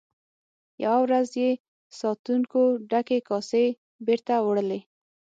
یوه ورځ چې ساتونکو ډکې کاسې بیرته وړلې.